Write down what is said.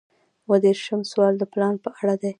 اووه دېرشم سوال د پلان په اړه دی.